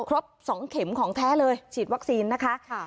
ครบ๒เข็มของแท้เลยฉีดวัคซีนนะคะ